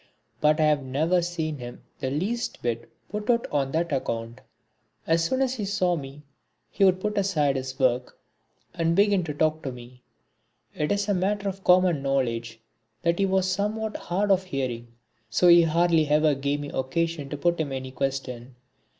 But I have never seen him the least bit put out on that account. As soon as he saw me he would put aside his work and begin to talk to me. It is a matter of common knowledge that he was somewhat hard of hearing, so he hardly ever gave me occasion to put him any question.